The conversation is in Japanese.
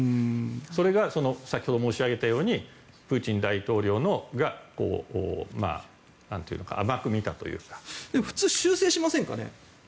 それが先ほど申し上げたようにプーチン大統領が普通、修正しませんかね。